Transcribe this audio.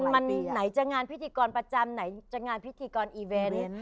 มันไหนจะงานพิธีกรประจำไหนจะงานพิธีกรอีเวนต์